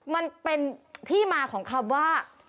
มันเป็นที่มาของคำว่า